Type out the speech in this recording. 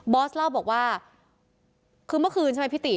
อสเล่าบอกว่าคือเมื่อคืนใช่ไหมพี่ติ